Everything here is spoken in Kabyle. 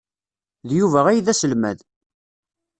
D Yuba ay d aselmad.